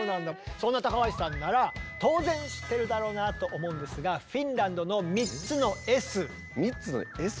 そんな高橋さんなら当然知ってるだろうなと思うんですが３つのＳ？